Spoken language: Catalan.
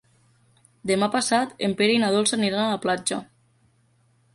Demà passat en Pere i na Dolça aniran a la platja.